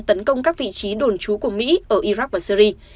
tấn công các vị trí đồn trú của mỹ ở iraq và syri